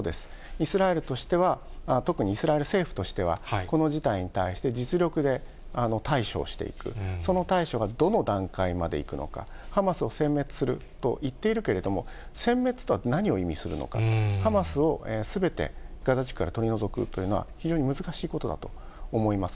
イスラエルとしては、特にイスラエル政府としては、この事態に対して、実力で対処をしていく、その対処がどの段階までいくのか、ハマスをせん滅すると言っているけれども、せん滅とは何を意味するのか、ハマスをすべてガザ地区から取り除くというのは、非常に難しいことだと思います。